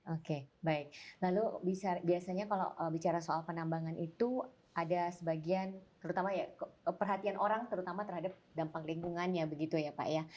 oke baik lalu biasanya kalau bicara soal penambangan itu ada sebagian terutama ya perhatian orang terutama terhadap dampak lingkungannya begitu ya pak ya